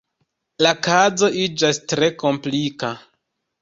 La kazo iĝas tre komplika.